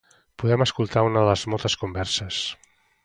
podem escoltar una de les moltes converses